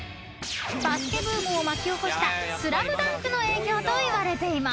［バスケブームを巻き起こした『ＳＬＡＭＤＵＮＫ』の影響といわれています］